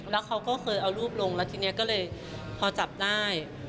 แล้วเขาก็เคยเอารูปลงแล้วทีนี้ก็เลยพอจับได้